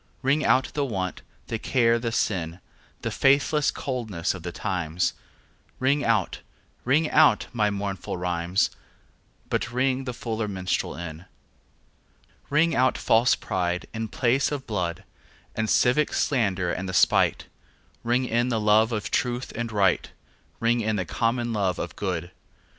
Ring out the want, the care the sin, The faithless coldness of the times; Ring out, ring out my mournful rhymes, But ring the fuller minstrel in. Ring out false pride in place and blood, The civic slander and the spite; Ring in the love of truth and right, Ring in the common love of good.